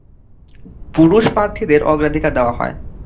পুরুষ প্রার্থীদের অগ্রাধিকার দেওয়া হয়।